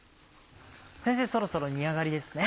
そろそろ煮上がりですね。